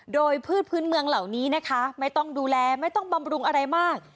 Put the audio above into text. โดยพืชพื้นเมืองเหล่านี้นะคะไม่ต้องดูแลไม่ต้องบำรุงอะไรมาก